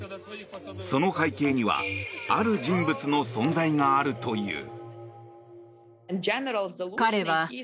その背景にはある人物の存在があるという。